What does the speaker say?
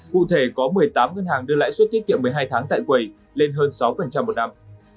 cụ thể có một mươi tám ngân hàng đưa lãi suất tiết kiệm một mươi hai tháng tại quầy lên hơn sáu một năm